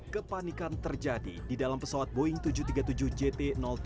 kepanikan terjadi di dalam pesawat boeing tujuh ratus tiga puluh tujuh jt tujuh ratus sembilan puluh tujuh